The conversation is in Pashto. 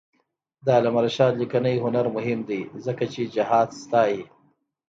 د علامه رشاد لیکنی هنر مهم دی ځکه چې جهاد ستايي.